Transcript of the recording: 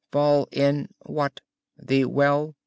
"Fall in what? The well?"